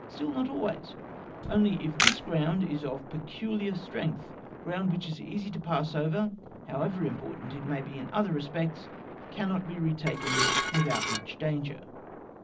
Still not always, only if this ground is of peculiar strength, ground which is easy to pass over, however important it may be in other respects, can be re taken without much danger.